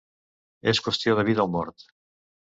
És qüestió de vida o mort.